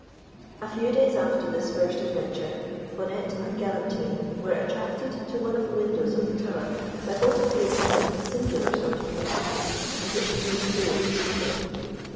A few days after this first adventure, Bonnette and Galantine were attracted to one of the windows of the tower by what appeared to them a singular sort of music, and which indeed proved to be so.